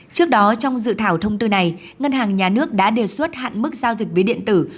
trước đó trong dự thảo thông tư này ngân hàng nhà nước đã đề xuất hạn mức giao dịch ví điện tử